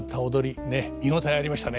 ねえ見応えありましたね。